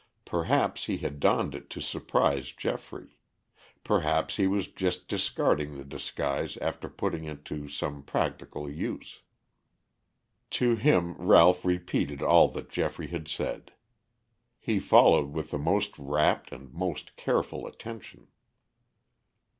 Perhaps he had donned it to surprise Geoffrey; perhaps he was just discarding the disguise after putting it to some practical use. To him Ralph repeated all that Geoffrey had said. He followed with the most rapt and most careful attention.